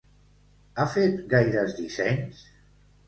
Ha fet gaires dissenys?